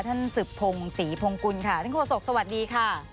ท่านศึภงศรีพงพุนค่ะท่านโครสกสวัสดีค่ะ